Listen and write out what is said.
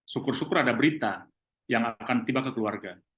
syukur syukur ada berita yang akan tiba ke keluarga